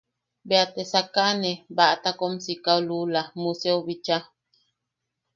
Beate sakane Ba- takonsika lula Museo bicha.